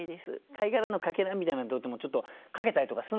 貝殻の欠片みたいなのともちょっとかけたりとかするんですかね。